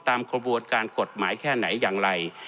กระบวนการกฎหมายแค่ไหนอย่างไร